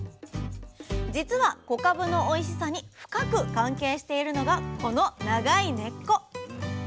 実は小かぶのおいしさに深く関係しているのがこの長い根っこ。